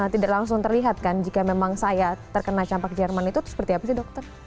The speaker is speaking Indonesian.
tidak langsung terlihat kan jika memang saya terkena campak jerman itu seperti apa sih dokter